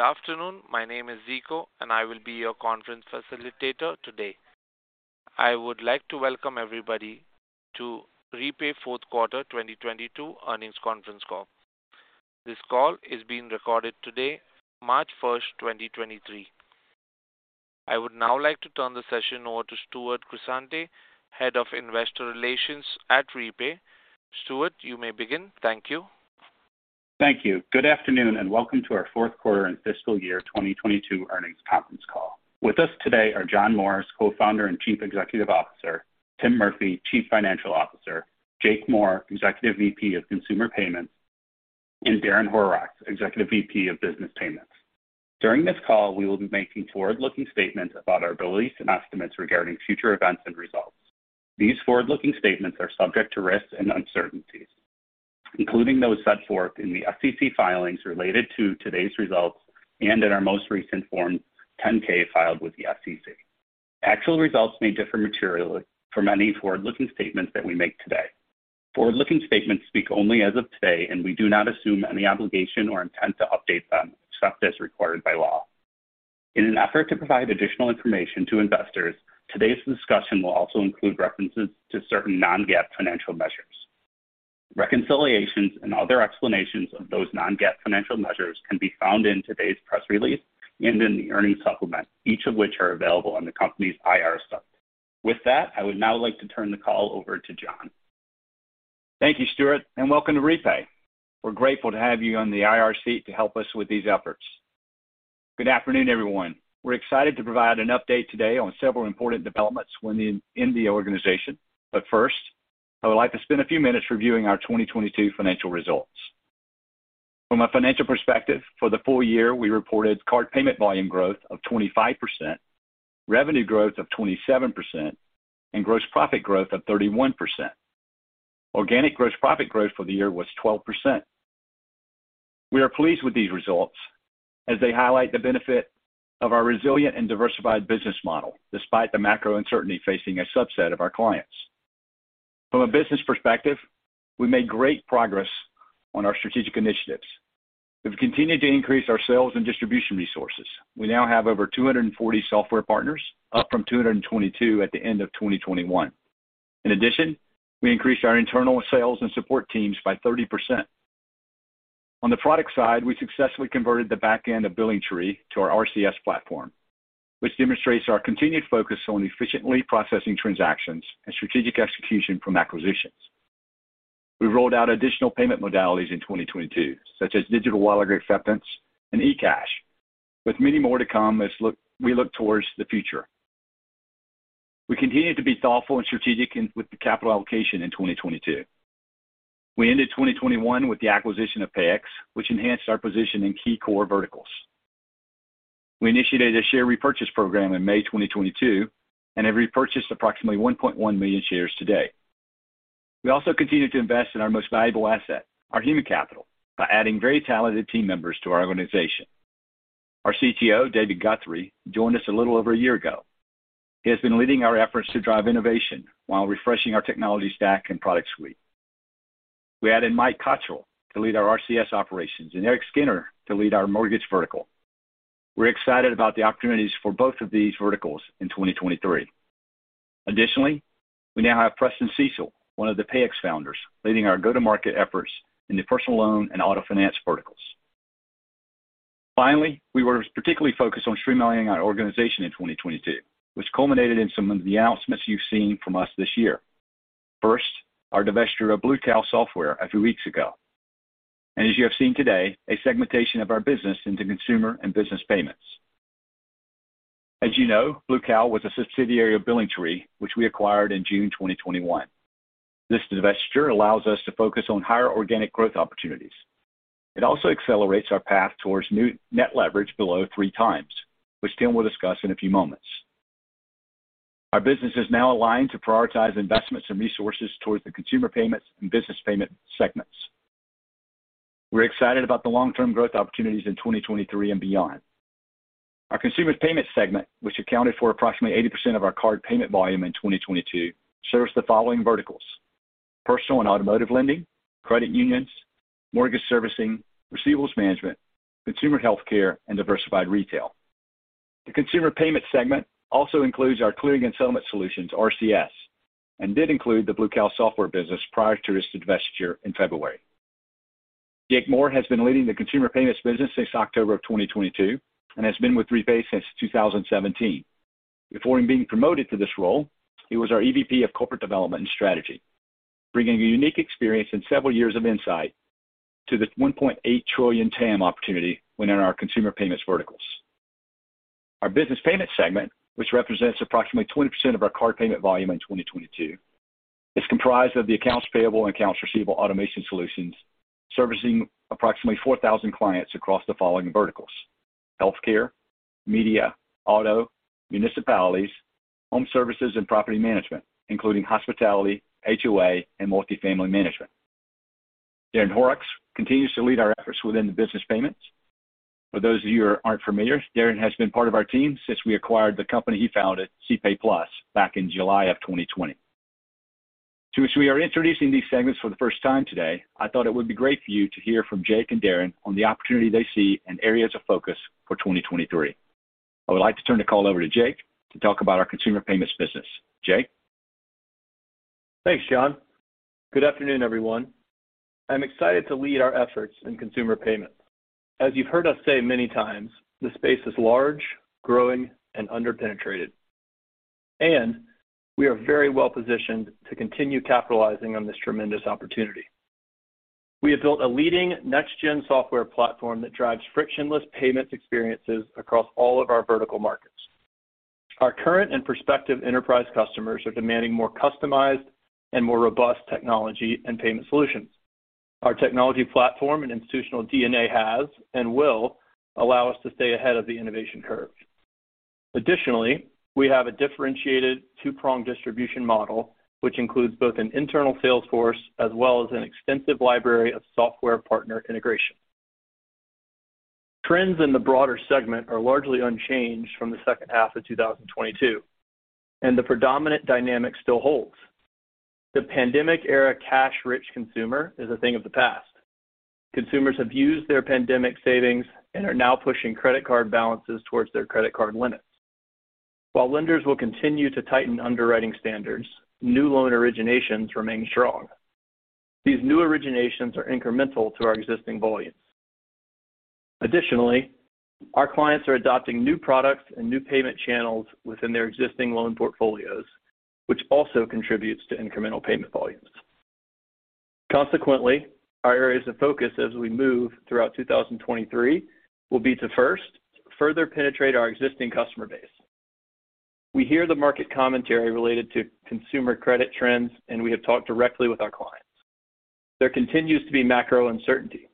Good afternoon. My name is Ziko, and I will be your conference facilitator today. I would like to welcome everybody to REPAY Fourth Quarter 2022 Earnings Conference Call. This call is being recorded today, March 1st, 2023. I would now like to turn the session over to Stewart Grisante, Head of Investor Relations at REPAY. Stewart, you may begin. Thank you. Thank you. Good afternoon, and welcome to our Fourth Quarter and Fiscal Year 2022 Earnings Conference Call. With us today are John Morris, Co-Founder and Chief Executive Officer, Tim Murphy, Chief Financial Officer, Jake Moore, Executive VP of Consumer Payments, and Darin Horrocks, Executive VP of Business Payments. During this call, we will be making forward-looking statements about our beliefs and estimates regarding future events and results. These forward-looking statements are subject to risks and uncertainties, including those set forth in the SEC filings related to today's results and in our most recent form 10-K filed with the SEC. Actual results may differ materially from any forward-looking statements that we make today. Forward-looking statements speak only as of today, and we do not assume any obligation or intent to update them except as required by law. In an effort to provide additional information to investors, today's discussion will also include references to certain non-GAAP financial measures. Reconciliations and other explanations of those non-GAAP financial measures can be found in today's press release and in the earnings supplement, each of which are available on the company's IR site. With that, I would now like to turn the call over to John. Thank you, Stuart, and welcome to REPAY. We're grateful to have you on the IR seat to help us with these efforts. Good afternoon, everyone. We're excited to provide an update today on several important developments within, in the organization. First, I would like to spend a few minutes reviewing our 2022 Financial Results. From a financial perspective, for the full year, we reported card payment volume growth of 25%, revenue growth of 27%, and gross profit growth of 31%. Organic gross profit growth for the year was 12%. We are pleased with these results as they highlight the benefit of our resilient and diversified business model despite the macro uncertainty facing a subset of our clients. From a business perspective, we made great progress on our strategic initiatives. We've continued to increase our sales and distribution resources. We now have over 240 software partners, up from 222 at the end of 2021. We increased our internal sales and support teams by 30%. On the product side, we successfully converted the back-end of BillingTree to our RCS platform, which demonstrates our continued focus on efficiently processing transactions and strategic execution from acquisitions. We rolled out additional payment modalities in 2022, such as digital wallet acceptance and eCash, with many more to come as we look towards the future. We continued to be thoughtful and strategic with the capital allocation in 2022. We ended 2021 with the acquisition of Payix, which enhanced our position in key core verticals. We initiated a share repurchase program in May 2022 and have repurchased approximately 1.1 million shares today. We also continued to invest in our most valuable asset, our human capital, by adding very talented team members to our organization. Our CTO, David Guthrie, joined us a little over 1 year ago. He has been leading our efforts to drive innovation while refreshing our technology stack and product suite. We added Mike Cottrell to lead our RCS operations and Erik Skinner to lead our mortgage vertical. We're excited about the opportunities for both of these verticals in 2023. Additionally, we now have Preston Cecil, one of the Payix founders, leading our go-to-market efforts in the personal loan and auto finance verticals. Finally, we were particularly focused on streamlining our organization in 2022, which culminated in some of the announcements you've seen from us this year. First, our divestiture of Blue Cow Software a few weeks ago. As you have seen today, a segmentation of our business into Consumer and Business Payments. As you know, Blue Cow was a subsidiary of BillingTree, which we acquired in June 2021. This divesture allows us to focus on higher organic growth opportunities. It also accelerates our path towards new net leverage below 3x, which Tim will discuss in a few moments. Our business is now aligned to prioritize investments and resources towards the Consumer Payments and Business Payment segments. We're excited about the long-term growth opportunities in 2023 and beyond. Our Consumer Payment segment, which accounted for approximately 80% of our card payment volume in 2022, serves the following verticals: personal and automotive lending, credit unions, mortgage servicing, receivables management, consumer healthcare, and diversified retail. The Consumer Payment segment also includes our clearing and settlement solutions, RCS, and did include the Blue Cow Software business prior to its divesture in February. Jake Moore has been leading the Consumer Payments business since October of 2022 and has been with REPAY since 2017. Before him being promoted to this role, he was our EVP of Corporate Development and Strategy, bringing a unique experience and several years of insight to the $1.8 trillion TAM opportunity within our Consumer Payments verticals. Our Business Payments segment, which represents approximately 20% of our card payment volume in 2022, is comprised of the accounts payable and accounts receivable automation solutions, servicing approximately 4,000 clients across the following verticals: healthcare, media, auto, municipalities, home services and property management, including hospitality, HOA, and multifamily management. Darin Horrocks continues to lead our efforts within the Business Payments. For those of you who aren't familiar, Darin has been part of our team since we acquired the company he founded, cPayPlus, back in July of 2020. Since we are introducing these segments for the first time today, I thought it would be great for you to hear from Jake and Darin on the opportunity they see and areas of focus for 2023. I would like to turn the call over to Jake to talk about our Consumer Payments business. Jake? Thanks, John. Good afternoon, everyone. I'm excited to lead our efforts in Consumer Payments. As you've heard us say many times, the space is large, growing, and under-penetrated. We are very well-positioned to continue capitalizing on this tremendous opportunity. We have built a leading next-gen software platform that drives frictionless payments experiences across all of our vertical markets. Our current and prospective enterprise customers are demanding more customized and more robust technology and payment solutions. Our technology platform and institutional DNA has and will allow us to stay ahead of the innovation curve. We have a differentiated two-pronged distribution model, which includes both an internal sales force as well as an extensive library of software partner integration. Trends in the broader segment are largely unchanged from the second half of 2022. The predominant dynamic still holds. The pandemic-era cash-rich consumer is a thing of the past. Consumers have used their pandemic savings and are now pushing credit card balances towards their credit card limits. While lenders will continue to tighten underwriting standards, new loan originations remain strong. These new originations are incremental to our existing volumes. Additionally, our clients are adopting new products and new payment channels within their existing loan portfolios, which also contributes to incremental payment volumes. Consequently, our areas of focus as we move throughout 2023 will be to, first, further penetrate our existing customer base. We hear the market commentary related to consumer credit trends, and we have talked directly with our clients. There continues to be macro uncertainty.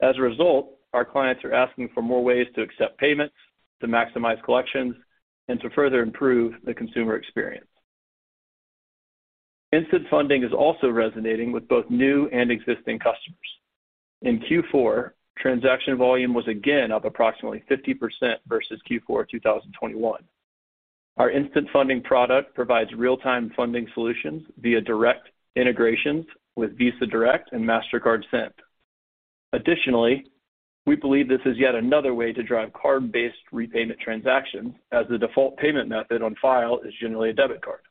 As a result, our clients are asking for more ways to accept payments, to maximize collections, and to further improve the consumer experience. Instant Funding is also resonating with both new and existing customers. In Q4, transaction volume was again up approximately 50% versus Q4 2021. Our Instant Funding product provides real-time funding solutions via direct integrations with Visa Direct and Mastercard Send. We believe this is yet another way to drive card-based repayment transactions as the default payment method on file is generally a debit card.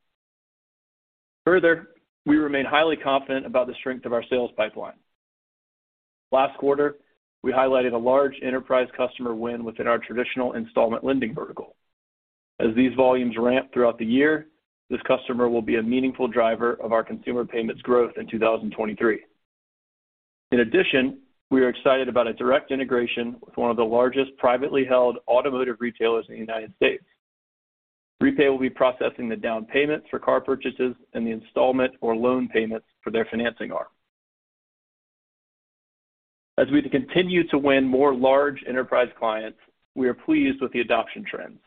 We remain highly confident about the strength of our sales pipeline. Last quarter, we highlighted a large enterprise customer win within our traditional installment lending vertical. As these volumes ramp throughout the year, this customer will be a meaningful driver of our Consumer Payments growth in 2023. We are excited about a direct integration with one of the largest privately held automotive retailers in the United States. REPAY will be processing the down payments for car purchases and the installment or loan payments for their financing arm. As we continue to win more large enterprise clients, we are pleased with the adoption trends.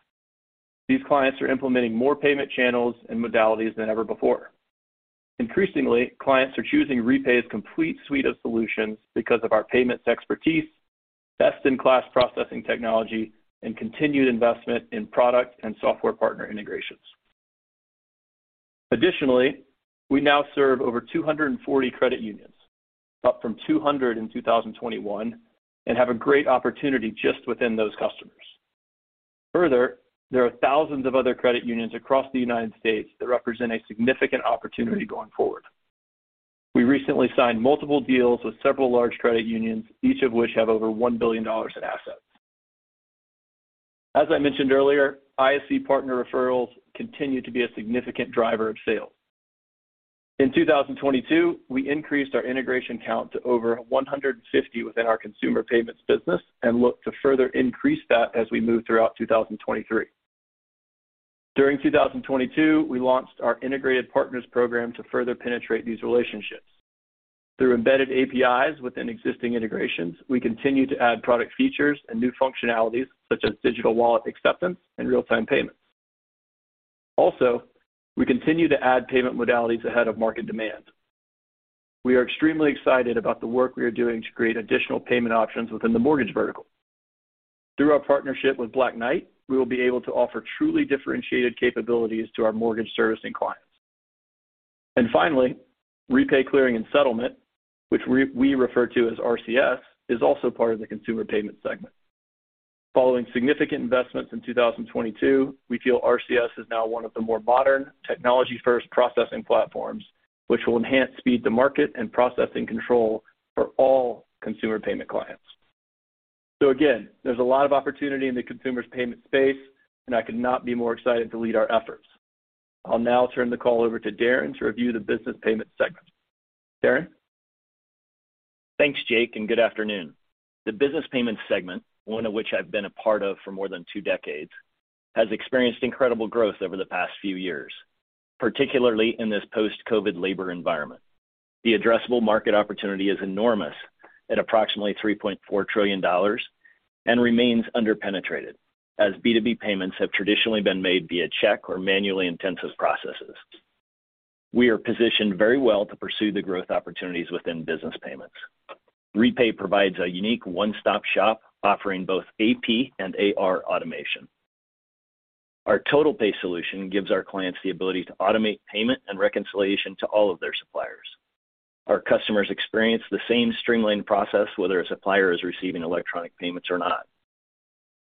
These clients are implementing more payment channels and modalities than ever before. Increasingly, clients are choosing REPAY's complete suite of solutions because of our payments expertise, best-in-class processing technology, and continued investment in product and software partner integrations. Additionally, we now serve over 240 credit unions, up from 200 in 2021, and have a great opportunity just within those customers. Further, there are thousands of other credit unions across the United States that represent a significant opportunity going forward. We recently signed multiple deals with several large credit unions, each of which have over $1 billion in assets. As I mentioned earlier, ISC partner referrals continue to be a significant driver of sales. In 2022, we increased our integration count to over 150 within our Consumer Payments business and look to further increase that as we move throughout 2023. During 2022, we launched our integrated partners program to further penetrate these relationships. Through embedded APIs within existing integrations, we continue to add product features and new functionalities such as digital wallet acceptance and real-time payments. Also, we continue to add payment modalities ahead of market demand. We are extremely excited about the work we are doing to create additional payment options within the mortgage vertical. Through our partnership with Black Knight, we will be able to offer truly differentiated capabilities to our mortgage servicing clients. REPAY Clearing and Settlement, which we refer to as RCS, is also part of the Consumer Payment segment. Following significant investments in 2022, we feel RCS is now one of the more modern technology-first processing platforms, which will enhance speed to market and processing control for all Consumer Payments clients. There's a lot of opportunity in the consumer's payment space, and I could not be more excited to lead our efforts. I'll now turn the call over to Darin to review the Business Payments segment. Darin? Thanks, Jake. Good afternoon. The Business Payments segment, one of which I've been a part of for more than two decades, has experienced incredible growth over the past few years, particularly in this post-COVID labor environment. The addressable market opportunity is enormous at approximately $3.4 trillion and remains under-penetrated, as B2B payments have traditionally been made via check or manually intensive processes. We are positioned very well to pursue the growth opportunities within Business Payments. REPAY provides a unique one-stop shop offering both AP and AR automation. Our TotalPay solution gives our clients the ability to automate payment and reconciliation to all of their suppliers. Our customers experience the same streamlined process, whether a supplier is receiving electronic payments or not.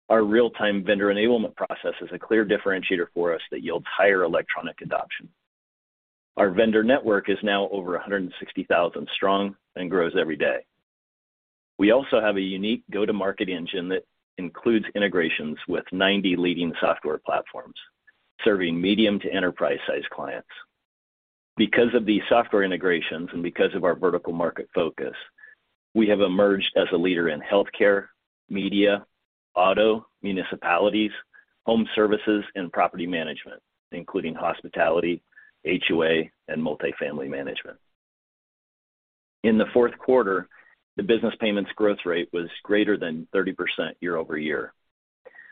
Our real-time vendor enablement process is a clear differentiator for us that yields higher electronic adoption. Our vendor network is now over 160,000 strong and grows every day. We also have a unique go-to-market engine that includes integrations with 90 leading software platforms, serving medium to enterprise-sized clients. Because of these software integrations and because of our vertical market focus, we have emerged as a leader in healthcare, media, auto, municipalities, home services, and property management, including hospitality, HOA, and multifamily management. In the fourth quarter, the Business Payments growth rate was greater than 30% year-over-year.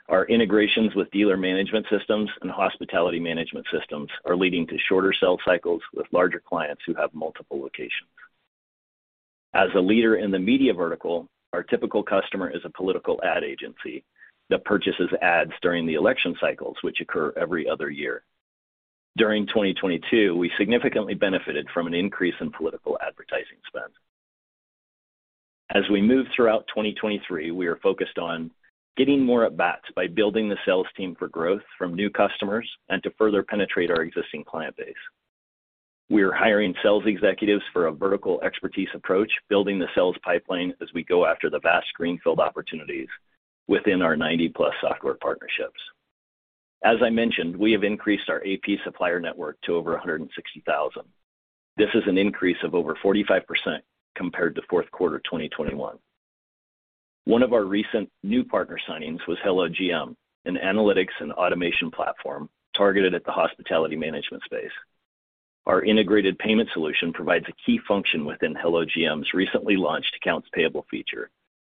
Our integrations with dealer management systems and hospitality management systems are leading to shorter sales cycles with larger clients who have multiple locations. As a leader in the media vertical, our typical customer is a political ad agency that purchases ads during the election cycles, which occur every other year. During 2022, we significantly benefited from an increase in political advertising spend. As we move throughout 2023, we are focused on getting more at-bats by building the sales team for growth from new customers and to further penetrate our existing client base. We are hiring sales executives for a vertical expertise approach, building the sales pipeline as we go after the vast greenfield opportunities within our 90+ software partnerships. As I mentioned, we have increased our AP supplier network to over 160,000. This is an increase of over 45% compared to Q4 2021. One of our recent new partner signings was HelloGM, an analytics and automation platform targeted at the hospitality management space. Our integrated payment solution provides a key function within HelloGM's recently launched accounts payable feature,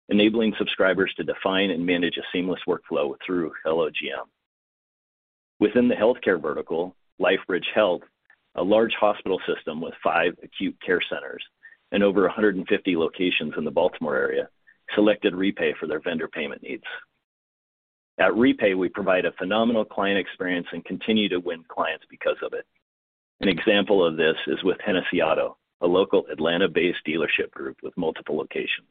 enabling subscribers to define and manage a seamless workflow through HelloGM. Within the healthcare vertical, LifeBridge Health, a large hospital system with 5 acute care centers and over 150 locations in the Baltimore area, selected REPAY for their vendor payment needs. At REPAY, we provide a phenomenal client experience and continue to win clients because of it. An example of this is with Hennessy Auto, a local Atlanta-based dealership group with multiple locations.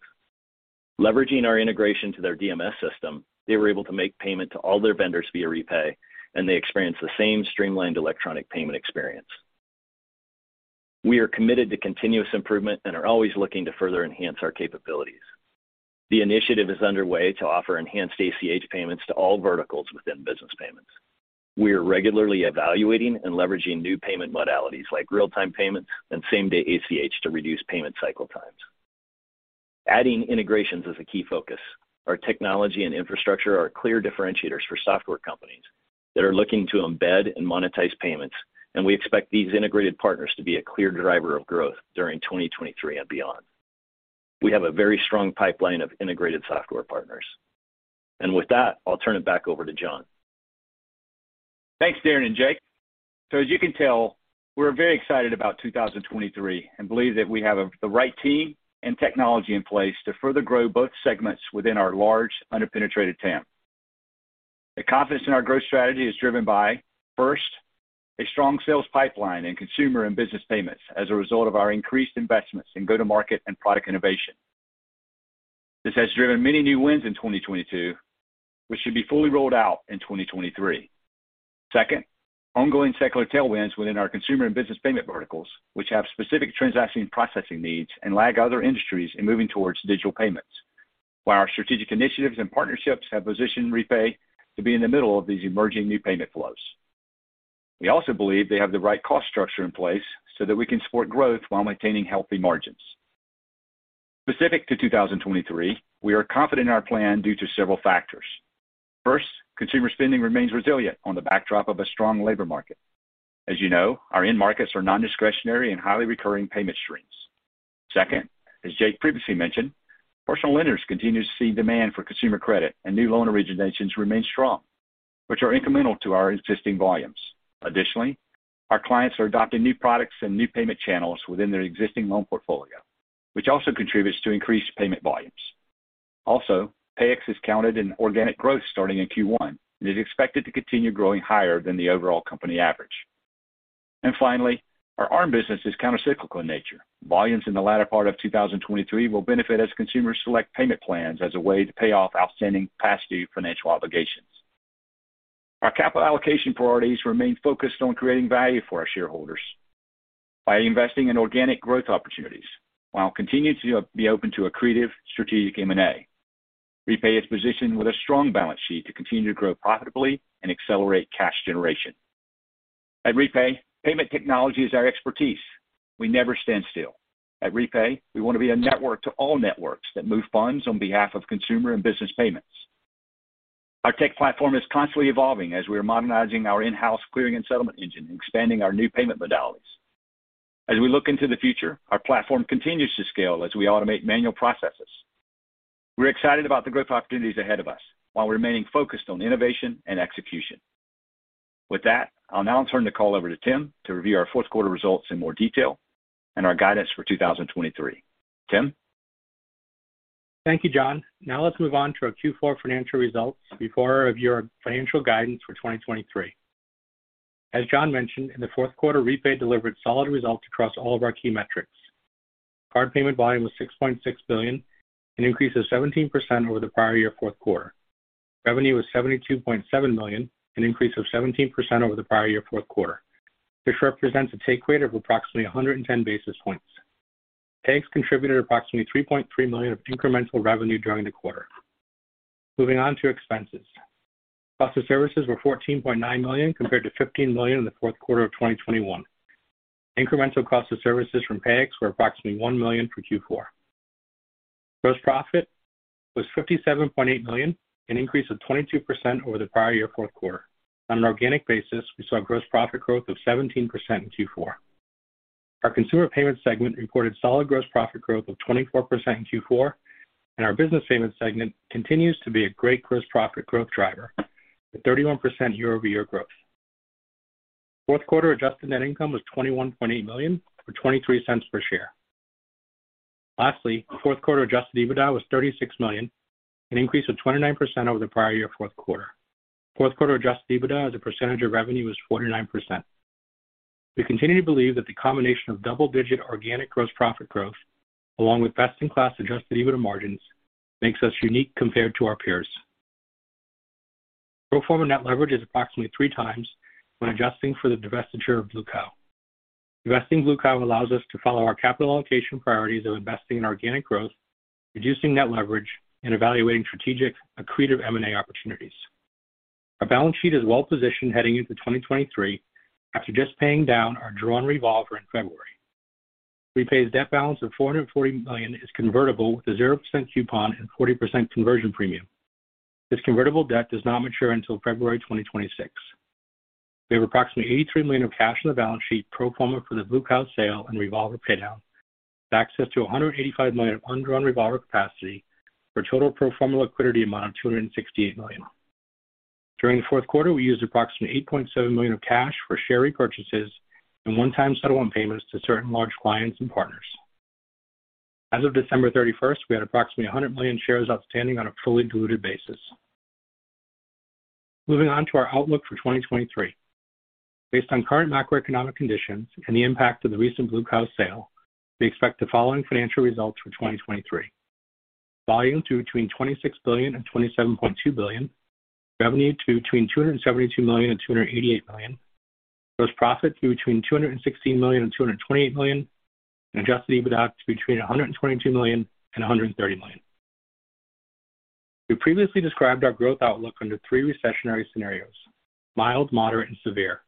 Leveraging our integration to their DMS system, they were able to make payment to all their vendors via REPAY, and they experience the same streamlined electronic payment experience. We are committed to continuous improvement and are always looking to further enhance our capabilities. The initiative is underway to offer enhanced ACH payments to all verticals within Business Payments. We are regularly evaluating and leveraging new payment modalities like real-time payment and Same Day ACH to reduce payment cycle times. Adding integrations is a key focus. Our technology and infrastructure are clear differentiators for software companies that are looking to embed and monetize payments, and we expect these integrated partners to be a clear driver of growth during 2023 and beyond. We have a very strong pipeline of integrated software partners. With that, I'll turn it back over to John. Thanks, Darin and Jake. As you can tell, we're very excited about 2023 and believe that we have the right team and technology in place to further grow both segments within our large under-penetrated TAM. The confidence in our growth strategy is driven by, first, a strong sales pipeline in Consumer and Business Payments as a result of our increased investments in go-to-market and product innovation. This has driven many new wins in 2022, which should be fully rolled out in 2023. Second, ongoing secular tailwinds within our Consumer and Business Payment verticals, which have specific transaction processing needs and lag other industries in moving towards digital payments, while our strategic initiatives and partnerships have positioned REPAY to be in the middle of these emerging new payment flows. We also believe they have the right cost structure in place so that we can support growth while maintaining healthy margins. Specific to 2023, we are confident in our plan due to several factors. First, consumer spending remains resilient on the backdrop of a strong labor market. As you know, our end markets are non-discretionary and highly recurring payment streams. Second, as Jake previously mentioned, personal lenders continue to see demand for consumer credit and new loan originations remain strong, which are incremental to our existing volumes. Additionally, our clients are adopting new products and new payment channels within their existing loan portfolio, which also contributes to increased payment volumes. Also, Payix is counted in organic growth starting in Q1 and is expected to continue growing higher than the overall company average. Finally, our ARM business is countercyclical in nature. Volumes in the latter part of 2023 will benefit as consumers select payment plans as a way to pay off outstanding past-due financial obligations. Our capital allocation priorities remain focused on creating value for our shareholders by investing in organic growth opportunities while continuing to be open to accretive strategic M&A. REPAY is positioned with a strong balance sheet to continue to grow profitably and accelerate cash generation. At REPAY, payment technology is our expertise. We never stand still. At REPAY, we want to be a network to all networks that move funds on behalf of Consumer and Business Payments. Our tech platform is constantly evolving as we are modernizing our in-house clearing and settlement engine and expanding our new payment modalities. We look into the future, our platform continues to scale as we automate manual processes. We're excited about the growth opportunities ahead of us while remaining focused on innovation and execution. With that, I'll now turn the call over to Tim to review our fourth quarter results in more detail and our guidance for 2023. Tim? Thank you, John. Let's move on to our Q4 financial results before I review our financial guidance for 2023. As John mentioned, in the fourth quarter, REPAY delivered solid results across all of our key metrics. Card payment volume was $6.6 billion, an increase of 17% over the prior year fourth quarter. Revenue was $72.7 million, an increase of 17% over the prior year fourth quarter, which represents a take rate of approximately 110 basis points. Payix contributed approximately $3.3 million of incremental revenue during the quarter. Moving on to expenses. Cost of services were $14.9 million compared to $15 million in the fourth quarter of 2021. Incremental cost of services from Payix were approximately $1 million for Q4. Gross profit was $57.8 million, an increase of 22% over the prior year fourth quarter. On an organic basis, we saw gross profit growth of 17% in Q4. Our Consumer Payments segment reported solid gross profit growth of 24% in Q4, and our Business Payments segment continues to be a great gross profit growth driver with 31% year-over-year growth. Fourth quarter adjusted Net Income was $21.8 million or $0.23 per share. Lastly, fourth quarter adjusted EBITDA was $36 million, an increase of 29% over the prior year fourth quarter. Fourth quarter adjusted EBITDA as a percentage of revenue was 49%. We continue to believe that the combination of double-digit organic gross profit growth, along with best-in-class adjusted EBITDA margins, makes us unique compared to our peers. Pro forma net leverage is approximately 3x when adjusting for the divestiture of Blue Cow. Divesting Blue Cow allows us to follow our capital allocation priorities of investing in organic growth, reducing net leverage, and evaluating strategic accretive M&A opportunities. Our balance sheet is well-positioned heading into 2023 after just paying down our drawn revolver in February. REPAY's debt balance of $440 million is convertible with a 0% coupon and 40% conversion premium. This convertible debt does not mature until February 2026. We have approximately $83 million of cash on the balance sheet pro forma for the Blue Cow sale and revolver paydown with access to $185 million of undrawn revolver capacity for a total pro forma liquidity amount of $268 million. During the fourth quarter, we used approximately $8.7 million of cash for share repurchases and one-time settle on payments to certain large clients and partners. As of December 31st, we had approximately 100 million shares outstanding on a fully diluted basis. Moving on to our outlook for 2023. Based on current macroeconomic conditions and the impact of the recent Blue Cow sale, we expect the following financial results for 2023. Volume to between $26 billion and $27.2 billion. Revenue to between $272 million and $288 million. Gross profit to between $216 million and $228 million. Adjusted EBITDA to between $122 million and $130 million. We previously described our growth outlook under three recessionary scenarios: mild, moderate, and severe.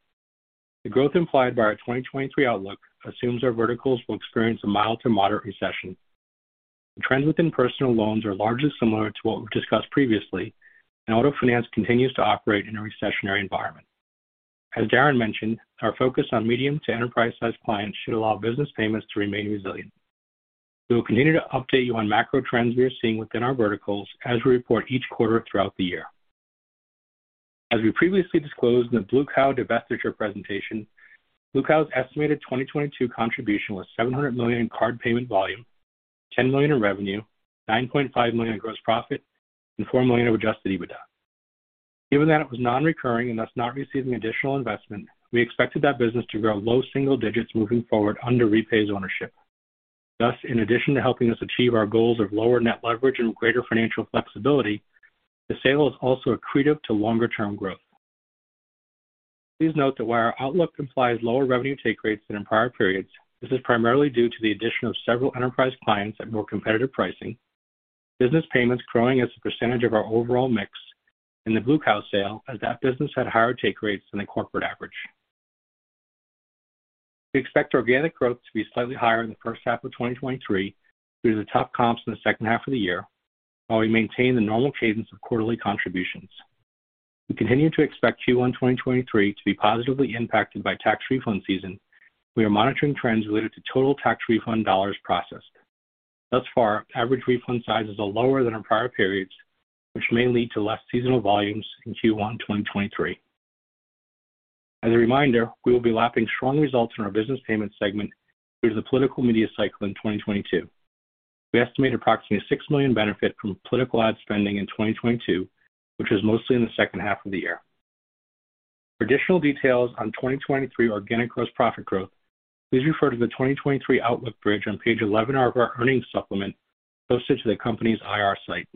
The growth implied by our 2023 outlook assumes our verticals will experience a mild to moderate recession. The trends within personal loans are largely similar to what we've discussed previously. Auto finance continues to operate in a recessionary environment. As Darin mentioned, our focus on medium to enterprise-sized clients should allow Business Payments to remain resilient. We will continue to update you on macro trends we are seeing within our verticals as we report each quarter throughout the year. As we previously disclosed in the Blue Cow divestiture presentation, Blue Cow's estimated 2022 contribution was $700 million in card payment volume, $10 million in revenue, $9.5 million in gross profit, and $4 million of Adjusted EBITDA. Given that it was non-recurring and thus not receiving additional investment, we expected that business to grow low single digits moving forward under REPAY's ownership. In addition to helping us achieve our goals of lower net leverage and greater financial flexibility, the sale is also accretive to longer-term growth. Please note that while our outlook implies lower revenue take rates than in prior periods, this is primarily due to the addition of several enterprise clients at more competitive pricing, Business Payments growing as a percentage of our overall mix in the Blue Cow sale as that business had higher take rates than the corporate average. We expect organic growth to be slightly higher in the first half of 2023 due to the tough comps in the second half of the year, while we maintain the normal cadence of quarterly contributions. We continue to expect Q1 2023 to be positively impacted by tax refund season. We are monitoring trends related to total tax refund dollars processed. Thus far, average refund sizes are lower than in prior periods, which may lead to less seasonal volumes in Q1 2023. As a reminder, we will be lapping strong results in our Business Payments segment due to the political media cycle in 2022. We estimate approximately a $6 million benefit from political ad spending in 2022, which was mostly in the second half of the year. For additional details on 2023 organic gross profit growth, please refer to the 2023 outlook bridge on page 11 of our earnings supplement posted to the company's IR site.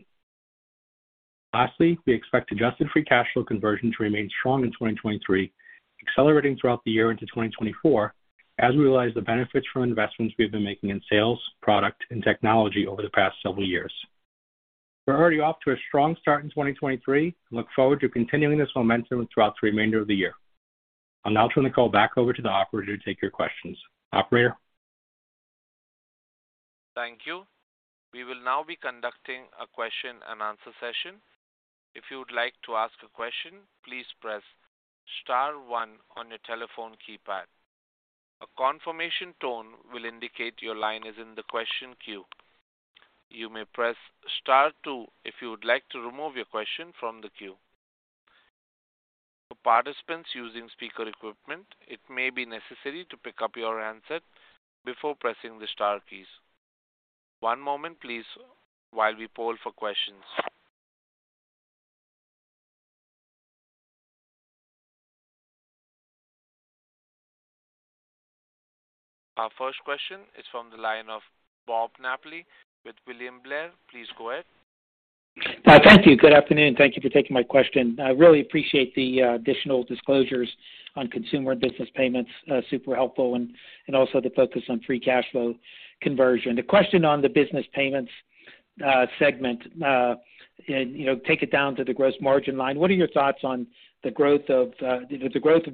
Lastly, we expect Adjusted free cash flow conversion to remain strong in 2023, accelerating throughout the year into 2024 as we realize the benefits from investments we have been making in sales, product, and technology over the past several years. We're already off to a strong start in 2023 and look forward to continuing this momentum throughout the remainder of the year. I'll now turn the call back over to the operator to take your questions. Operator? Thank you. We will now be conducting a question and answer session. If you would like to ask a question, please press star one on your telephone keypad. A confirmation tone will indicate your line is in the question queue. You may press star two if you would like to remove your question from the queue. For participants using speaker equipment, it may be necessary to pick up your handset before pressing the star keys. One moment please while we poll for questions. Our first question is from the line of Bob Napoli with William Blair. Please go ahead. Thank you. Good afternoon. Thank you for taking my question. I really appreciate the additional disclosures on Consumer and Business Payments. Super helpful and also the focus on free cash flow conversion. The question on the Business Payments segment, and, you know, take it down to the gross margin line. What are your thoughts on the growth of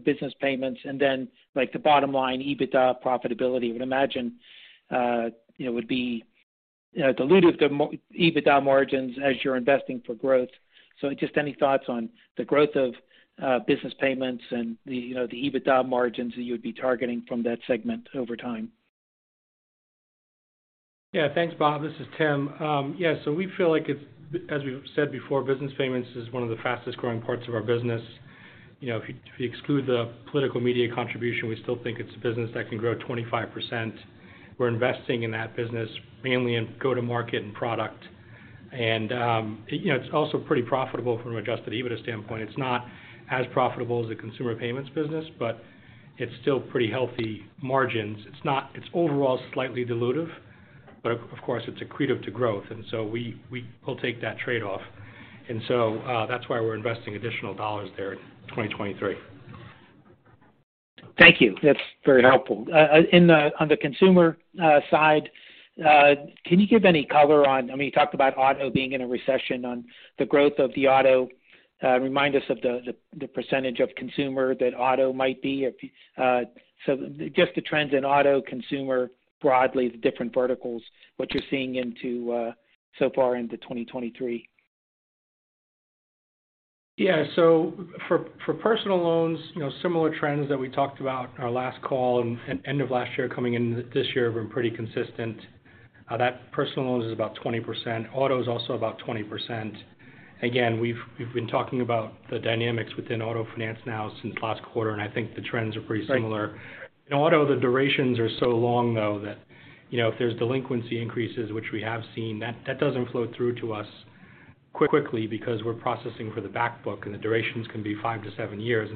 Business Payments and then, like, the bottom line EBITDA profitability? Would imagine, you know, would be, you know, dilutive to EBITDA margins as you're investing for growth. Just any thoughts on the growth of Business Payments and the, you know, the EBITDA margins that you would be targeting from that segment over time. Thanks, Bob. This is Tim Murphy. We feel like, as we've said before, Business Payments is one of the fastest-growing parts of our business. You know, if you exclude the political media contribution, we still think it's a business that can grow 25%. We're investing in that business mainly in go-to-market and product. You know, it's also pretty profitable from an Adjusted EBITDA standpoint. It's not as profitable as the Consumer Payments business, but it's still pretty healthy margins. It's not It's overall slightly dilutive, but of course, it's accretive to growth, so we will take that trade-off. That's why we're investing additional dollars there in 2023. Thank you. That's very helpful. On the consumer side, can you give any color on whether you talked about auto being in a recession, and the growth of the auto? Remind us of the percentage of consumer that auto might be if. Just the trends in auto consumer broadly, the different verticals, what you're seeing into so far into 2023? Yeah. For, for personal loans, you know, similar trends that we talked about in our last call and end of last year coming into this year have been pretty consistent. That personal loans is about 20%. Auto is also about 20%. Again, we've been talking about the dynamics within auto finance now since last quarter, and I think the trends are pretty similar. In auto, the durations are so long, though, that, you know, if there's delinquency increases, which we have seen, that doesn't flow through to us quickly because we're processing for the backbook, and the durations can be 5 to 7 years.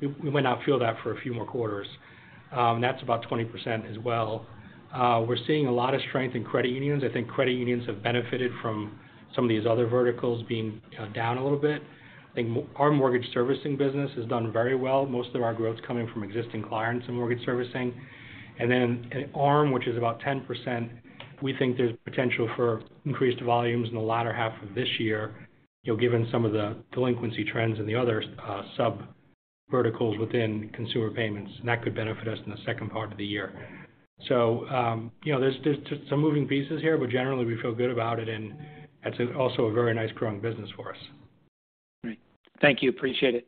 we might not feel that for a few more quarters. That's about 20% as well. We're seeing a lot of strength in credit unions. I think credit unions have benefited from some of these other verticals being down a little bit. I think our mortgage servicing business has done very well. Most of our growth's coming from existing clients in mortgage servicing. ARM, which is about 10%, we think there's potential for increased volumes in the latter half of this year, you know, given some of the delinquency trends in the other sub-verticals within Consumer Payments, and that could benefit us in the second part of the year. you know, there's some moving pieces here, but generally we feel good about it and that's also a very nice growing business for us. Great. Thank you. Appreciate it.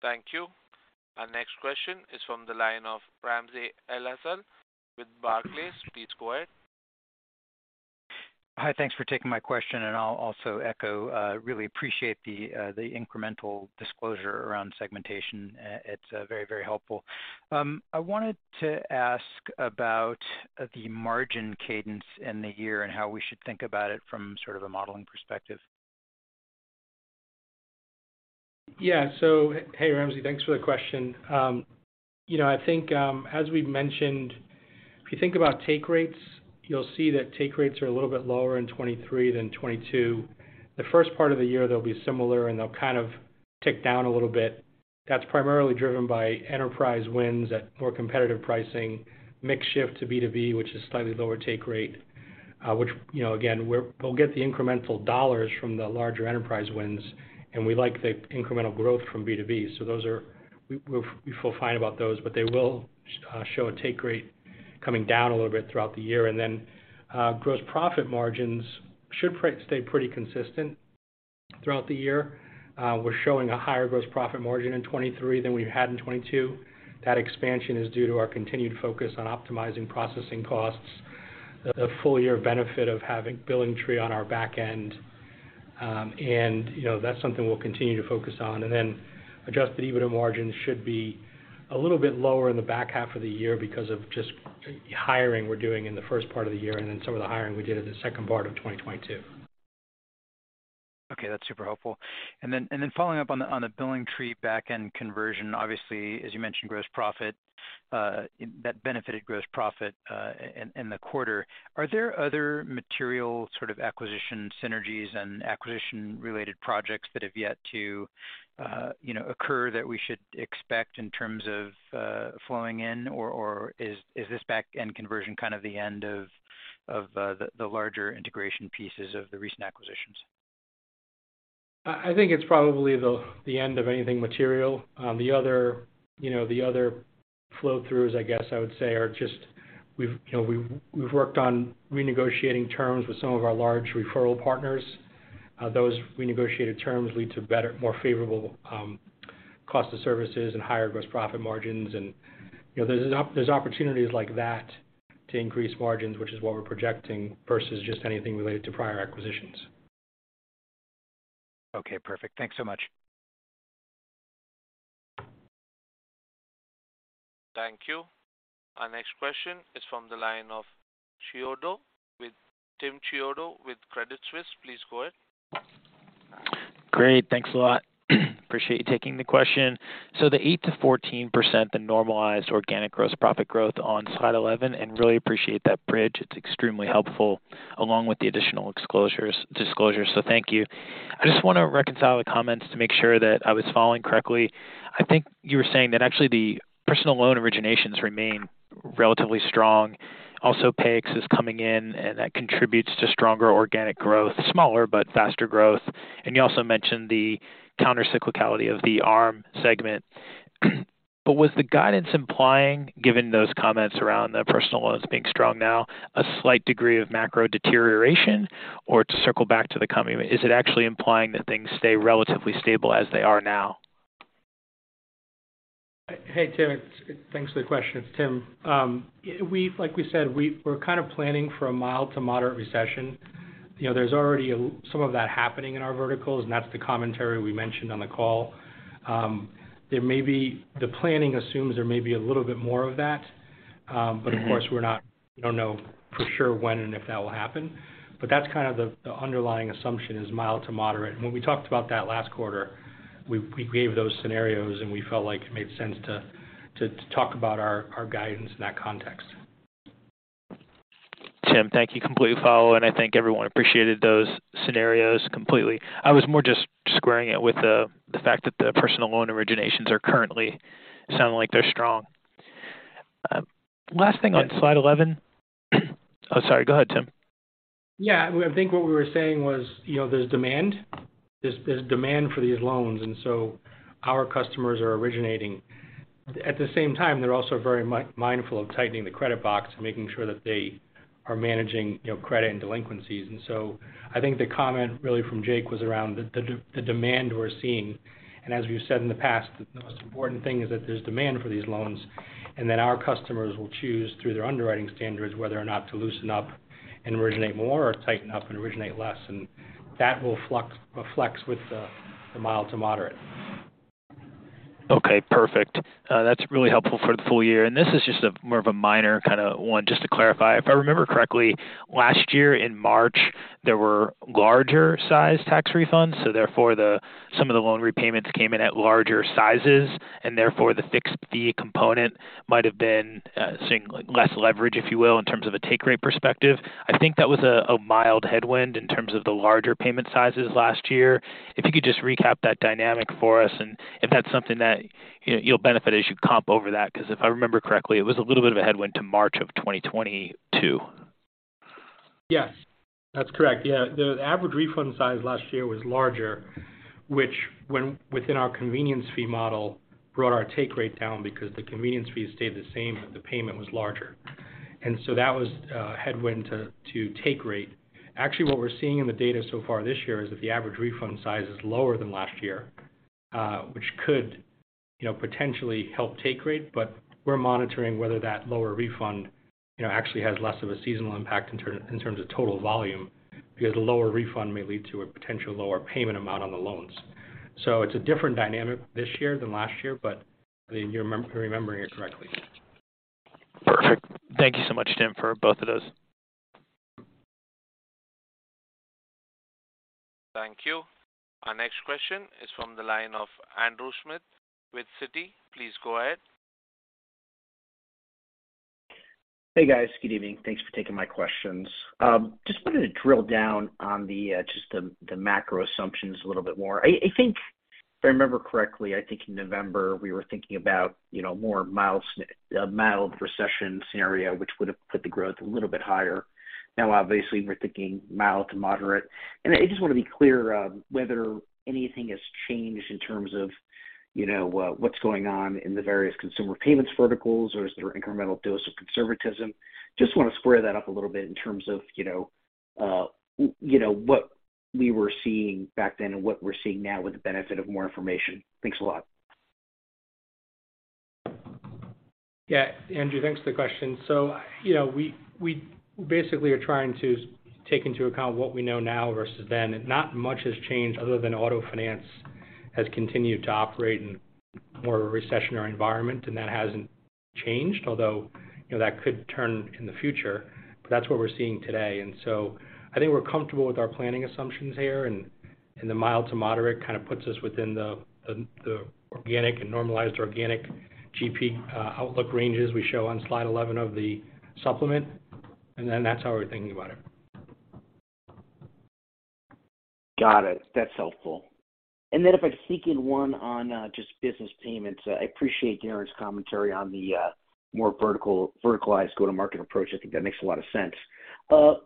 Thank you. Our next question is from the line of Ramsey El-Assal with Barclays. Please go ahead. Hi. Thanks for taking my question, I'll also echo really appreciate the incremental disclosure around segmentation. It's very, very helpful. I wanted to ask about the margin cadence in the year and how we should think about it from a modeling perspective. Ramsey, thanks for the question. As we've mentioned, if you think about take rates, you'll see that take rates are a little bit lower in 2023 than 2022. The first part of the year they'll be similar, and they'll kind of tick down a little bit. That's primarily driven by enterprise wins at more competitive pricing, mix shift to B2B, which is slightly lower take rate, which again, we'll get the incremental dollars from the larger enterprise wins, and we like the incremental growth from B2B. Those are We feel fine about those, but they will show a take rate coming down a little bit throughout the year. Gross profit margins should stay pretty consistent throughout the year. We're showing a higher gross profit margin in 2023 than we had in 2022. That expansion is due to our continued focus on optimizing processing costs, the full year benefit of having BillingTree on our back end. You know, that's something we'll continue to focus on. Adjusted EBITDA margins should be a little bit lower in the back half of the year because of just hiring we're doing in the first part of the year and then some of the hiring we did in the second part of 2022. Okay, that's super helpful. Following up on the BillingTree back-end conversion, obviously, as you mentioned, gross profit, that benefited gross profit in the quarter. Are there other material sort of acquisition synergies and acquisition-related projects that have yet to, you know, occur that we should expect in terms of flowing in? Or is this back-end conversion kind of the end of the larger integration pieces of the recent acquisitions? I think it's probably the end of anything material. The other, you know, the other flow-throughs, I guess I would say are just we've, you know, we've worked on renegotiating terms with some of our large referral partners. Those renegotiated terms lead to better, more favorable, Cost of services and higher gross profit margins. You know, there's opportunities like that to increase margins, which is what we're projecting versus just anything related to prior acquisitions. Okay, perfect. Thanks so much. Thank you. Our next question is from the line of Chiodo, Tim Chiodo with Credit Suisse. Please go ahead. Great, thanks a lot. Appreciate you taking the question. The 8%-14%, the normalized organic gross profit growth on slide 11, and really appreciate that bridge. It's extremely helpful along with the additional disclosures. Thank you. I just wanna reconcile the comments to make sure that I was following correctly. I think you were saying that actually the personal loan originations remain relatively strong. Payix is coming in, and that contributes to stronger organic growth. Smaller but faster growth. You also mentioned the counter cyclicality of the ARM segment. Was the guidance implying, given those comments around the personal loans being strong now, a slight degree of macro deterioration? To circle back to the comment, is it actually implying that things stay relatively stable as they are now? Hey, Tim. Thanks for the question. It's Tim. We've like we said, we're kind of planning for a mild to moderate recession. You know, there's already a some of that happening in our verticals, and that's the commentary we mentioned on the call. There may be. The planning assumes there may be a little bit more of that. Of course, we don't know for sure when and if that will happen. That's kind of the underlying assumption is mild to moderate. When we talked about that last quarter, we gave those scenarios, and we felt like it made sense to talk about our guidance in that context. Tim, thank you. Completely follow, and I think everyone appreciated those scenarios completely. I was more just squaring it with the fact that the personal loan originations are currently sounding like they're strong. Last thing on slide 11. Oh, sorry, go ahead, Tim. Yeah. I think what we were saying was, you know, there's demand. There's demand for these loans, our customers are originating. At the same time, they're also very mindful of tightening the credit box and making sure that they are managing, you know, credit and delinquencies. I think the comment really from Jake was around the demand we're seeing. As we've said in the past, the most important thing is that there's demand for these loans, and that our customers will choose through their underwriting standards whether or not to loosen up and originate more or tighten up and originate less. That will flex with the mild to moderate. Okay, perfect. That's really helpful for the full year. This is just a more of a minor kinda one just to clarify. If I remember correctly, last year in March, there were larger size tax refunds, so therefore the, some of the loan repayments came in at larger sizes, and therefore the fixed fee component might have been seeing less leverage, if you will, in terms of a take rate perspective. I think that was a mild headwind in terms of the larger payment sizes last year. If you could just recap that dynamic for us and if that's something that, you know, you'll benefit as you comp over that. 'Cause if I remember correctly, it was a little bit of a headwind to March of 2022. Yes, that's correct. Yeah, the average refund size last year was larger, which when within our convenience fee model, brought our take rate down because the convenience fee stayed the same, but the payment was larger. That was a headwind to take rate. Actually, what we're seeing in the data so far this year is that the average refund size is lower than last year, which could, you know, potentially help take rate, but we're monitoring whether that lower refund, you know, actually has less of a seasonal impact in terms of total volume, because a lower refund may lead to a potential lower payment amount on the loans. It's a different dynamic this year than last year, but I mean, you're remembering it correctly. Perfect. Thank you so much, Tim, for both of those. Thank you. Our next question is from the line of Andrew Schmidt with Citi. Please go ahead. Hey, guys. Good evening. Thanks for taking my questions. Just wanted to drill down on the just the macro assumptions a little bit more. I think if I remember correctly, I think in November we were thinking about, you know, a mild recession scenario, which would have put the growth a little bit higher. Now, obviously, we're thinking mild to moderate, and I just wanna be clear, whether anything has changed in terms of, you know, what's going on in the various Consumer Payments verticals, or is there incremental dose of conservatism. Just wanna square that up a little bit in terms of, you know, you know, what we were seeing back then and what we're seeing now with the benefit of more information. Thanks a lot. Yeah, Andrew, thanks for the question. You know, we basically are trying to take into account what we know now versus then. Not much has changed other than Auto Finance has continued to operate in more of a recessionary environment, and that hasn't changed. Although, you know, that could turn in the future, but that's what we're seeing today. I think we're comfortable with our planning assumptions here, and the mild to moderate kinda puts us within the organic and normalized organic GP outlook ranges we show on slide 11 of the supplement. That's how we're thinking about it. Got it. That's helpful. If I could sneak in one on just Business Payments. I appreciate Darin's commentary on the more verticalized go-to-market approach. I think that makes a lot of sense.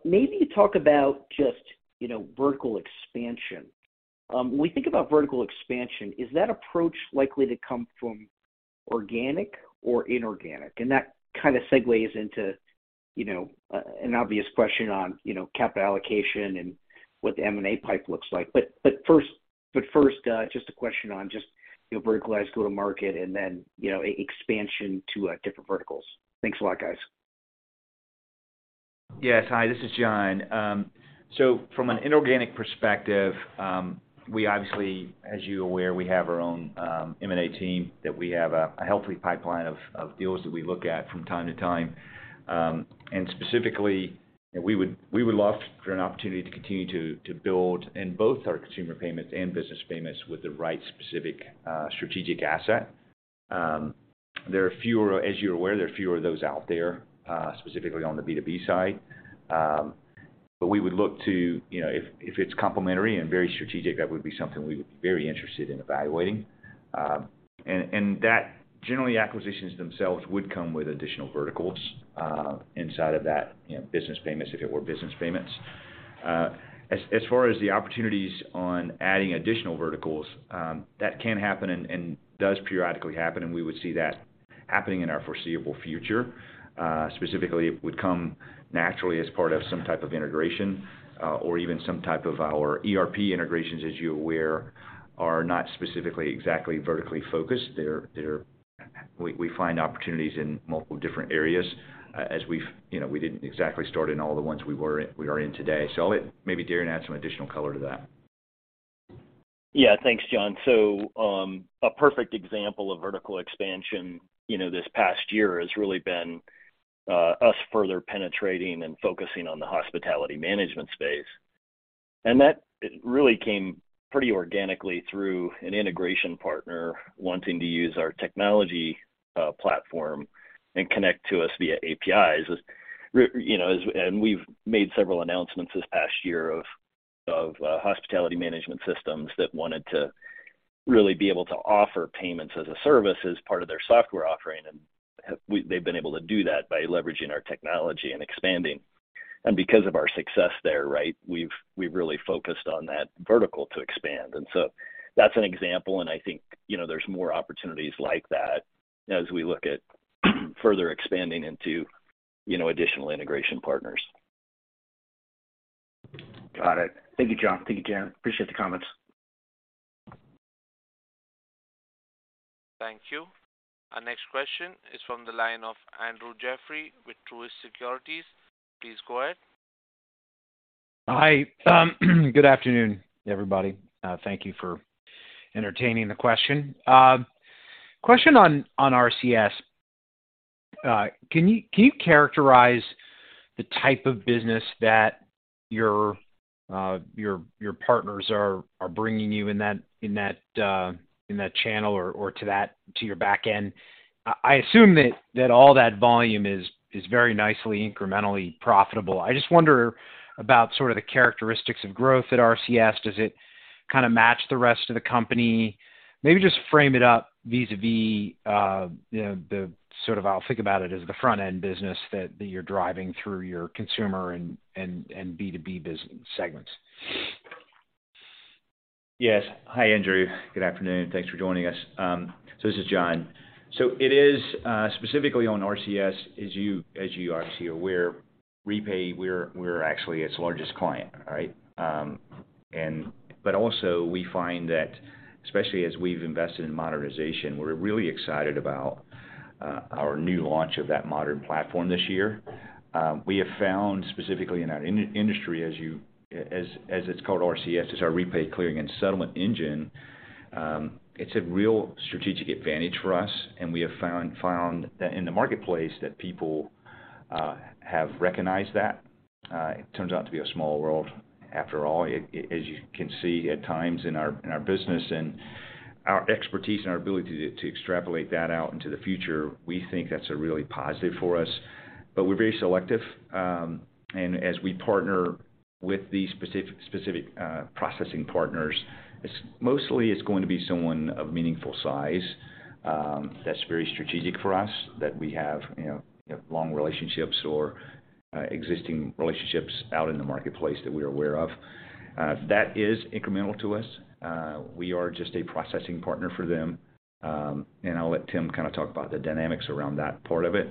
Maybe talk about just, you know, vertical expansion. When we think about vertical expansion, is that approach likely to come from organic or inorganic? That kind of segues into, you know, an obvious question on, you know, capital allocation and what the M&A pipe looks like. First, just a question on just, you know, verticalized go-to-market and then, you know, e-expansion to different verticals. Thanks a lot, guys. Yes. Hi, this is John. From an inorganic perspective, we obviously, as you're aware, we have our own M&A team that we have a healthy pipeline of deals that we look at from time to time. Specifically, we would love for an opportunity to continue to build in both our Consumer Payments and Business Payments with the right specific strategic asset. There are fewer. As you're aware, there are fewer of those out there, specifically on the B2B side. We would look to, you know, if it's complementary and very strategic, that would be something we would be very interested in evaluating. That generally acquisitions themselves would come with additional verticals, inside of that Business Payments if it were Business Payments. As, as far as the opportunities on adding additional verticals, that can happen and does periodically happen, and we would see that happening in our foreseeable future. Specifically, it would come naturally as part of some type of integration, or even some type of our ERP integrations, as you are aware, are not specifically exactly vertically focused. They are, we find opportunities in multiple different areas. You know, we didn't exactly start in all the ones we are in today. Maybe Darin add some additional color to that. Yeah. Thanks, John. A perfect example of vertical expansion, you know, this past year has really been us further penetrating and focusing on the hospitality management space. That really came pretty organically through an integration partner wanting to use our technology platform and connect to us via APIs. You know, we've made several announcements this past year of hospitality management systems that wanted to really be able to offer payments as a service as part of their software offering, and they've been able to do that by leveraging our technology and expanding. Because of our success there, right, we've really focused on that vertical to expand. That's an example, I think, you know, there's more opportunities like that as we look at further expanding into, you know, additional integration partners. Got it. Thank you, John. Thank you, Darin. Appreciate the comments. Thank you. Our next question is from the line of Andrew Jeffrey with Truist Securities. Please go ahead. Hi. Good afternoon, everybody. Thank you for entertaining the question. Question on RCS. Can you characterize the type of business that your partners are bringing you in that channel or to your back end? I assume that all that volume is very nicely incrementally profitable. I just wonder about sort of the characteristics of growth at RCS. Does it match the rest of the company? Maybe just frame it up vis-a-vis. I'll think about it as the front-end business that you're driving through your consumer and B2B segments. Yes. Hi, Andrew. Good afternoon. Thanks for joining us. This is John. It is specifically on RCS, as you, as you obviously are aware, REPAY, we're actually its largest client, all right? Also we find that especially as we've invested in modernization, we're really excited about our new launch of that modern platform this year. We have found specifically in our industry, as it's called RCS, is our REPAY Clearing and Settlement engine. It's a real strategic advantage for us, and we have found that in the marketplace that people have recognized that. It turns out to be a small world after all, as you can see at times in our, in our business and our expertise and our ability to extrapolate that out into the future. We think that's a really positive for us. We're very selective, and as we partner with the specific, processing partners, it's going to be someone of meaningful size, that's very strategic for us, that we have, you know, long relationships or, existing relationships out in the marketplace that we're aware of. That is incremental to us. We are just a processing partner for them. I'll let Tim kinda talk about the dynamics around that part of it.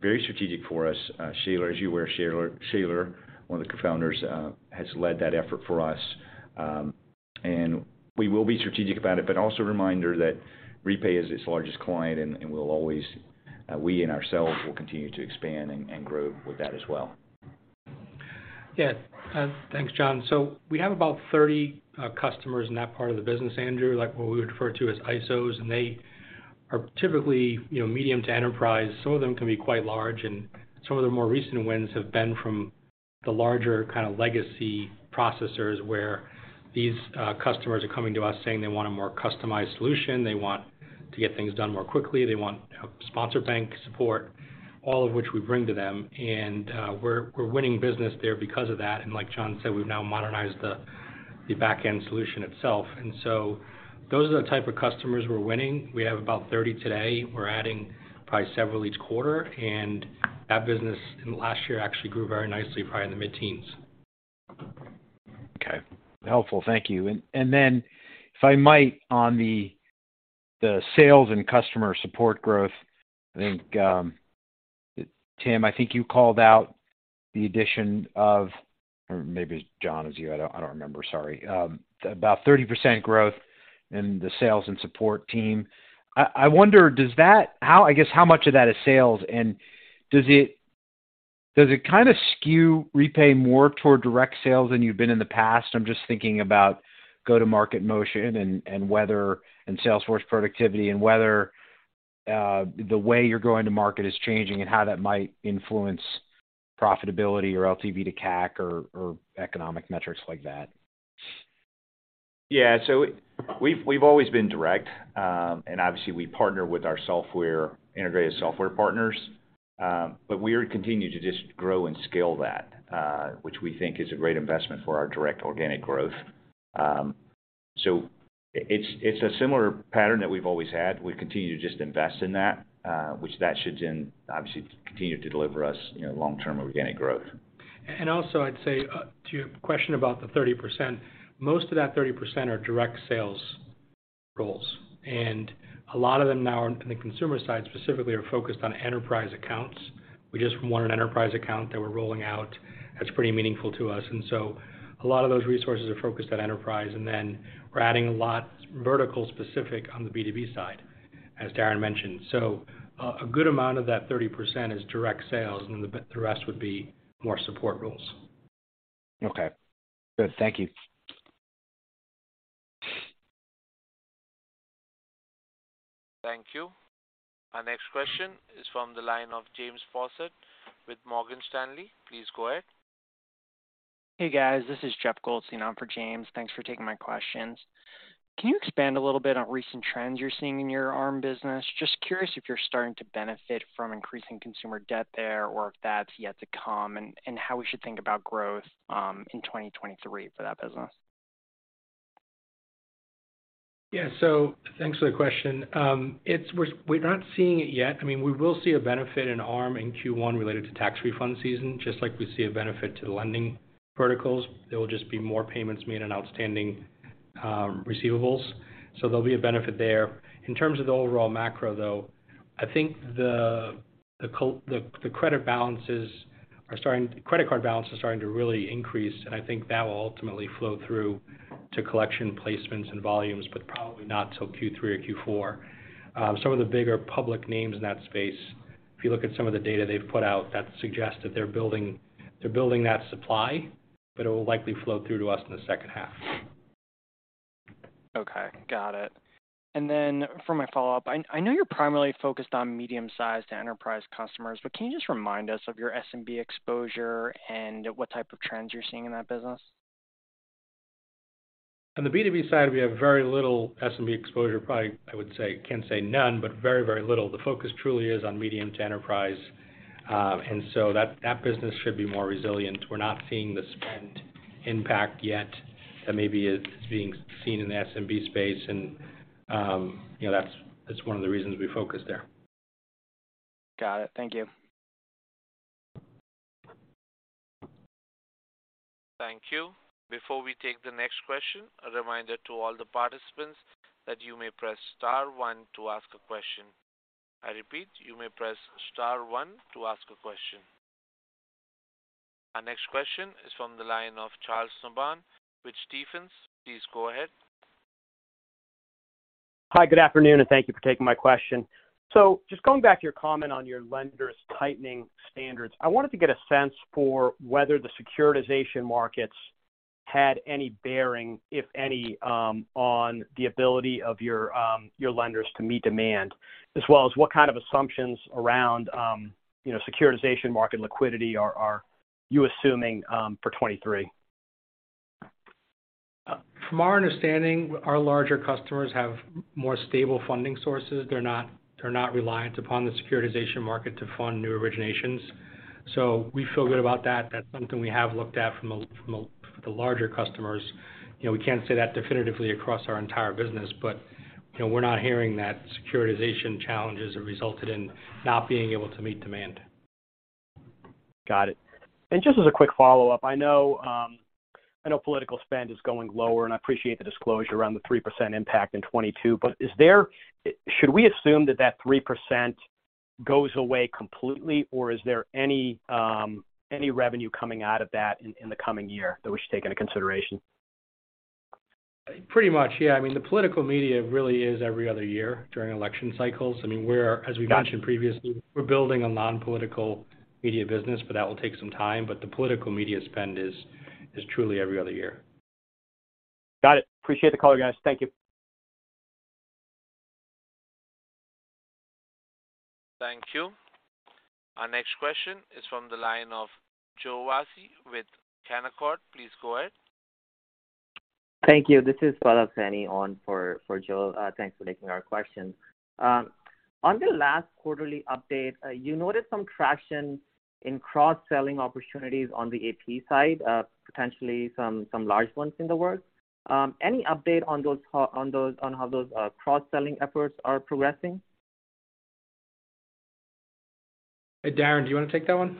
Very strategic for us. Shaler, as you are aware, Shaler, one of the co-founders, has led that effort for us. We will be strategic about it, but also a reminder that REPAY is its largest client and will always, we in ourselves will continue to expand and grow with that as well. Yeah. Thanks, John. We have about 30 customers in that part of the business, Andrew, like what we would refer to as ISOs. They are typically, you know, medium to enterprise. Some of them can be quite large. Some of the more recent wins have been from the larger kinda legacy processors where these customers are coming to us saying they want a more customized solution, they want to get things done more quickly, they want sponsor bank support, all of which we bring to them. We're winning business there because of that. Like John said, we've now modernized the back-end solution itself. Those are the type of customers we're winning. We have about 30 today. We're adding probably several each quarter. That business in last year actually grew very nicely, probably in the mid-teens. Okay. Helpful. Thank you. Then if I might, on the sales and customer support growth. I think Tim, I think you called out the addition or maybe it's John. It was you. I don't remember. Sorry. About 30% growth in the sales and support team. I wonder how much of that is sales, and does it kind of skew REPAY more toward direct sales than you've been in the past? I'm just thinking about go-to-market motion and whether sales force productivity and whether the way you're going to market is changing and how that might influence profitability or LTV to CAC or economic metrics like that. We've always been direct. Obviously, we partner with our integrated software partners. We continue to just grow and scale that, which we think is a great investment for our direct organic growth. It's, it's a similar pattern that we've always had. We continue to just invest in that, which that should then obviously continue to deliver us long-term organic growth. I'd say, to your question about the 30%, most of that 30% are direct sales roles, and a lot of them now on the consumer side specifically are focused on enterprise accounts. We just won an enterprise account that we're rolling out that's pretty meaningful to us. A lot of those resources are focused on enterprise, and then we're adding a lot vertical specific on the B2B side, as Darin mentioned. A good amount of that 30% is direct sales, and the rest would be more support roles. Okay. Good. Thank you. Thank you. Our next question is from the line of James Faucette with Morgan Stanley. Please go ahead. Hey, guys. This is Jeff Goldstein on for James. Thanks for taking my questions. Can you expand a little bit on recent trends you're seeing in your ARM business? Just curious if you're starting to benefit from increasing consumer debt there or if that's yet to come, and how we should think about growth in 2023 for that business. Thanks for the question. We're not seeing it yet. I mean, we will see a benefit in ARM in Q1 related to tax refund season, just like we see a benefit to lending protocols. There will just be more payments made on outstanding receivables. There'll be a benefit there. In terms of the overall macro, though, I think the credit card balance is starting to really increase, and I think that will ultimately flow through to collection placements and volumes, but probably not till Q3 or Q4. Some of the bigger public names in that space, if you look at some of the data they've put out, that suggests that they're building that supply, but it will likely flow through to us in the second half. Okay. Got it. For my follow-up, I know you're primarily focused on medium-sized to enterprise customers, but can you just remind us of your SMB exposure and what type of trends you're seeing in that business? On the B2B side, we have very little SMB exposure, probably I would say, can't say none, but very, very little. The focus truly is on medium to enterprise. That business should be more resilient. We're not seeing the spend impact yet that maybe is being seen in the SMB space and, you know, that's one of the reasons we focus there. Got it. Thank you. Thank you. Before we take the next question, a reminder to all the participants that you may press star one to ask a question. I repeat, you may press star one to ask a question. Our next question is from the line of Charles Nabhan with Stephens. Please go ahead. Hi, good afternoon, and thank you for taking my question. Just going back to your comment on your lenders tightening standards, I wanted to get a sense for whether the securitization markets had any bearing, if any, on the ability of your lenders to meet demand, as well as what kind of assumptions around, you know, securitization market liquidity are you assuming for 2023? From our understanding, our larger customers have more stable funding sources. They're not reliant upon the securitization market to fund new originations. We feel good about that. That's something we have looked at from the larger customers. You know, we can't say that definitively across our entire business, but, you know, we're not hearing that securitization challenges have resulted in not being able to meet demand. Got it. Just as a quick follow-up, I know, I know political spend is going lower, and I appreciate the disclosure around the 3% impact in 2022. Should we assume that that 3% goes away completely, or is there any revenue coming out of that in the coming year that we should take into consideration? Pretty much, yeah. I mean, the political media really is every other year during election cycles. I mean, we're as we mentioned previously, we're building a non-political media business, but that will take some time. The political media spend is truly every other year. Got it. Appreciate the call, guys. Thank you. Thank you. Our next question is from the line of Joe Vafi with Canaccord. Please go ahead. Thank you. This is Pallav Saini on for Joe. Thanks for taking our questions. On the last quarterly update, you noted some traction in cross-selling opportunities on the AP side, potentially some large ones in the works. Any update on how those cross-selling efforts are progressing? Hey, Darin, do you wanna take that one?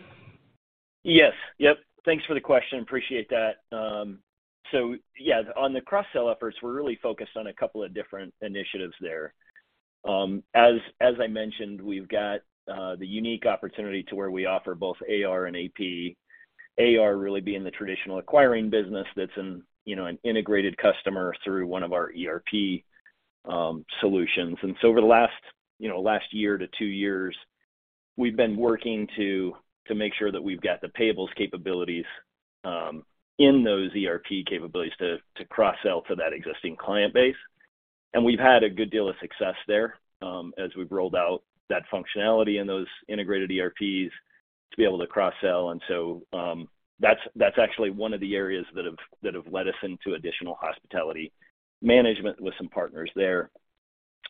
Yes. Yep. Thanks for the question. Appreciate that. Yeah, on the cross-sell efforts, we're really focused on a couple of different initiatives there. As, as I mentioned, we've got the unique opportunity to where we offer both AR and AP. AR really being the traditional acquiring business that's in, you know, an integrated customer through one of our ERP solutions. Over the last, you know, last year to 2 years, we've been working to make sure that we've got the payables capabilities in those ERP capabilities to cross-sell to that existing client base. We've had a good deal of success there as we've rolled out that functionality and those integrated ERPs to be able to cross-sell. That's actually one of the areas that have led us into additional hospitality management with some partners there.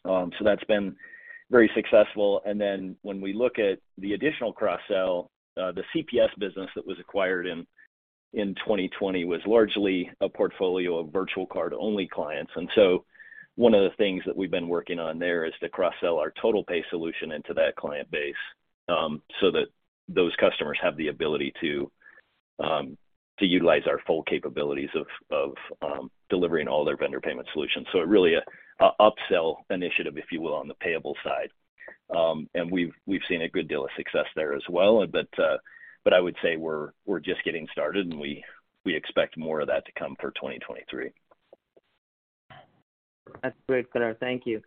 That's been very successful. When we look at the additional cross-sell, the CPS business that was acquired in 2020 was largely a portfolio of virtual card-only clients. One of the things that we've been working on there is to cross-sell our TotalPay solution into that client base so that those customers have the ability to utilize our full capabilities of delivering all their vendor payment solutions. Really a upsell initiative, if you will, on the payable side. We've seen a good deal of success there as well. I would say we're just getting started, and we expect more of that to come for 2023. That's great, color. Thank you.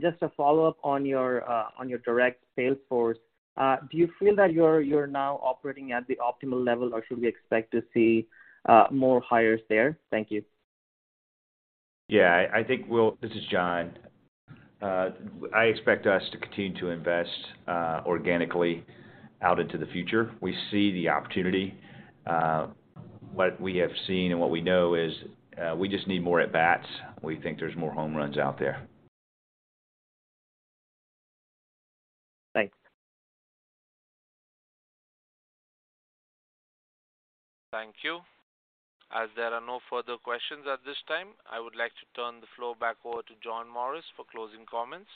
Just a follow-up on your, on your direct sales force. Do you feel that you're now operating at the optimal level, or should we expect to see more hires there? Thank you. Yeah. This is John. I expect us to continue to invest organically out into the future. We see the opportunity. What we have seen and what we know is, we just need more at-bats. We think there's more home runs out there. Thanks. Thank you. As there are no further questions at this time, I would like to turn the floor back over to John Morris for closing comments.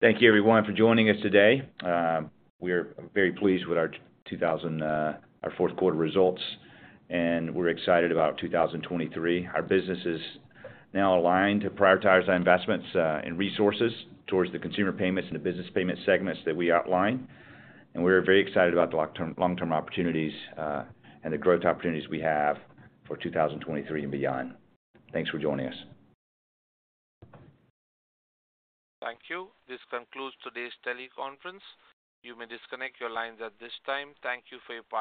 Thank you everyone for joining us today. We're very pleased with our fourth quarter results, and we're excited about 2023. Our business is now aligned to prioritize our investments and resources towards the Consumer Payments and the Business Payment segments that we outlined. We're very excited about the long-term opportunities and the growth opportunities we have for 2023 and beyond. Thanks for joining us. Thank you. This concludes today's teleconference. You may disconnect your lines at this time. Thank you for your participation.